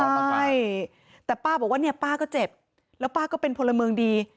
ใช่แต่ป้าบอกว่าเนี่ยป้าก็เจ็บแล้วป้าก็เป็นพลเมืองดี